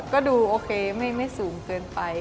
ก็ดูโอเคไม่สูงเกินไป